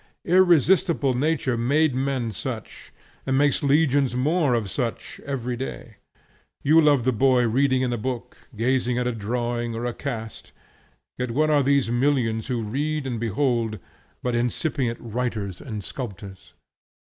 Irresistible nature made men such, and makes legions more of such, every day. You love the boy reading in a book, gazing at a drawing, or a cast; yet what are these millions who read and behold, but incipient writers and sculptors?